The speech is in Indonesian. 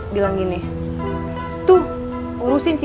bapaknya gak mau nyanyi